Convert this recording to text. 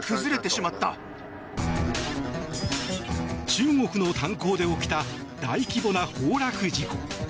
中国の炭鉱で起きた大規模な崩落事故。